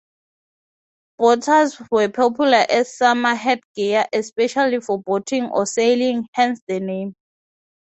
Boaters were popular as summer headgear, especially for boating or sailing, hence the name.